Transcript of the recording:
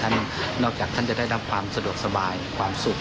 นอกจากท่านจะได้รับความสะดวกสบายความสุข